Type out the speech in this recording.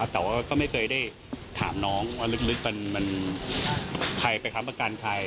แต่ว่าก็ไม่เคยได้ถามน้องว่าลึกมันใครไปค้ำประกันใคร